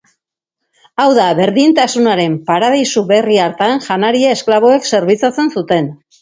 Hau da, berdintasunaren paradisu berri hartan janaria esklaboek zerbitzatzen zuten.